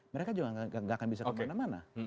mereka juga nggak akan bisa kemana mana